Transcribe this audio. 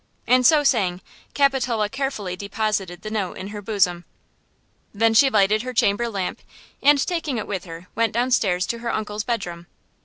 And so saying Capitola carefully deposited the note in her bosom. Then she lighted her chamber lamp, and, taking it with her, went down stairs to her uncle's bedroom.